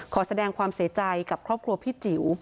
ขอแสดงความเสียใจกับครอบครัวพี่จิ๋ว